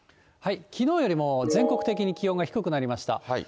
きのうよりも全国的に気温が低くなりました。